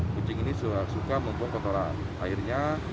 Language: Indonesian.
kucing ini suka membuat kotoran airnya